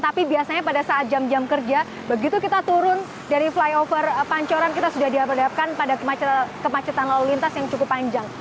tapi biasanya pada saat jam jam kerja begitu kita turun dari flyover pancoran kita sudah dihadapkan pada kemacetan lalu lintas yang cukup panjang